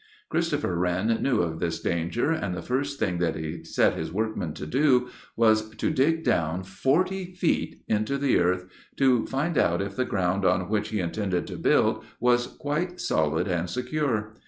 Christopher Wren knew of this danger, and the first thing that he set his workmen to do was to dig down forty feet into the earth to find out if the ground on which he intended to build was quite solid and secure.